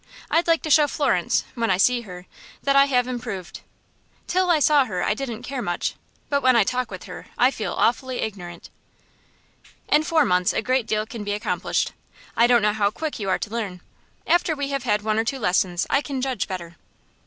I'd like to show Florence, when I see her, that I have improved. Till I saw her I didn't care much, but when I talk with her I feel awfully ignorant." "In four months a great deal can be accomplished. I don't know how quick you are to learn. After we have had one or two lessons I can judge better."